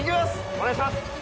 お願いします。